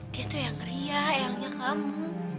dia tuh yang keriak eyangnya kamu